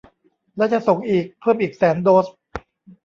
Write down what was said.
และจะส่งอีกเพิ่มอีกแสนโดส